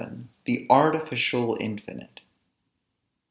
THE ARTIFICIAL INFINITE.